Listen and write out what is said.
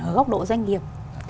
ở góc độ doanh nghiệp